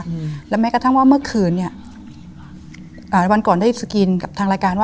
อืมแล้วแม้กระทั่งว่าเมื่อคืนเนี้ยอ่าวันก่อนได้สกรีนกับทางรายการว่า